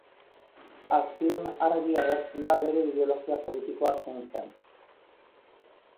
Azpian argi agertzen da bere ideologia politikoa zein zen.